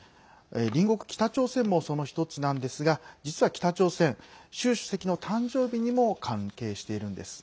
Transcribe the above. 隣国、北朝鮮もその１つなんですが実は北朝鮮、習主席の誕生日にも関係しているんです。